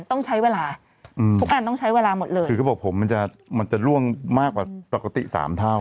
ต้องใช้เวลาอืมทุกอันต้องใช้เวลาหมดเลยคือเขาบอกผมมันจะมันจะล่วงมากกว่าปกติสามเท่า